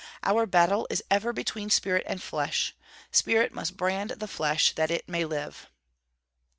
Our battle is ever between spirit and flesh. Spirit must brand the flesh, that it may live.'